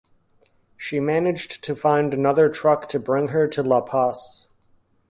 She managed to find another truck to bring her to La Paz.